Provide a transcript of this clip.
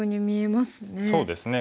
そうですね